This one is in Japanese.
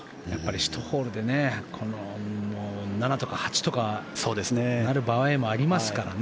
１ホールでこの７とか８とかなる場合もありますからね。